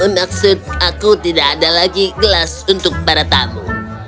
maksud aku tidak ada lagi gelas untuk para tamu